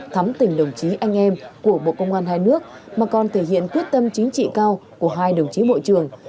thắm tình đồng chí anh em của bộ công an hai nước mà còn thể hiện quyết tâm chính trị cao của hai đồng chí bộ trưởng